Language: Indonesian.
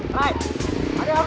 lo jadi kacau